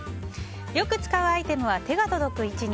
よく使うアイテムは手が届く位置に。